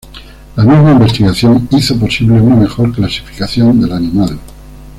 La misma investigación hizo posible una mejor clasificación del animal.